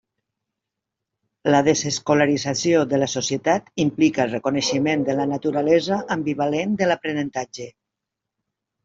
La desescolarització de la societat implica el reconeixement de la naturalesa ambivalent de l'aprenentatge.